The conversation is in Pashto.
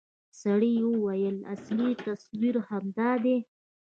سړي وويل اصلي تصوير همدا دى.